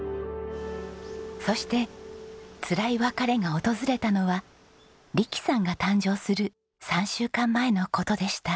そしてつらい別れが訪れたのは力さんが誕生する３週間前の事でした。